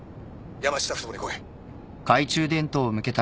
山下ふ頭に来い。